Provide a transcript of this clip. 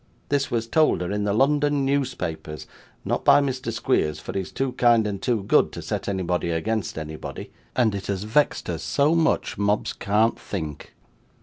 This was told her in the London newspapers not by Mr. Squeers, for he is too kind and too good to set anybody against anybody and it has vexed her so much, Mobbs can't think.